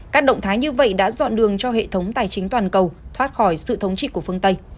các động thái như vậy đã dọn đường cho hệ thống tài chính toàn cầu thoát khỏi sự thống trị của phương tây